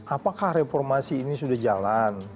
apakah reformasi ini sudah jalan